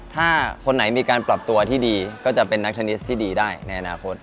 ถ้าคนไหนมีการปรับตัวที่ดีก็จะเป็นนักชนิดที่ดีได้ในอนาคต